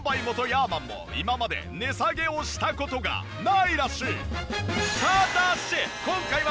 ヤーマンも今まで値下げをした事がないらしい。